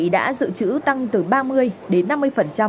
đã dự trữ tăng từ ba mươi đến năm mươi